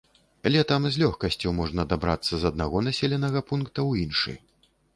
Летам з лёгкасцю можна дабрацца з аднаго населенага пункта ў іншы.